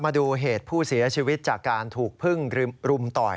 มาดูเหตุผู้เสียชีวิตจากการถูกพึ่งรุมต่อย